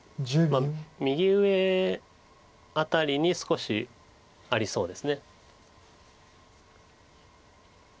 右上辺りに少しありそうです。